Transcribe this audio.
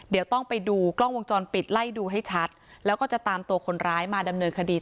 เดี๋ยวต้องไปดูกล้องวงจรปิดไล่ดูให้ชัดแล้วก็จะตามตัวคนร้ายมาดำเนินคดี